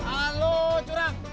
ah lu curang